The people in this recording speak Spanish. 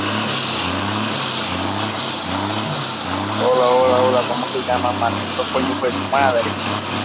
Tiene su sede en el edificio de la Asociación Española de General Alvarado.